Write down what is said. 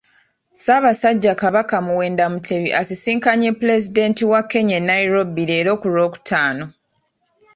Ssaabasajja Kabaka Muwenda Mutebi asisinkanye Pulezidenti wa Kenya e Nairobi leero ku Lwokutaano.